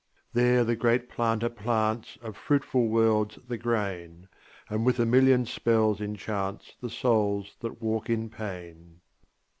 There the great Planter plants Of fruitful worlds the grain, And with a million spells enchants The souls that walk in pain.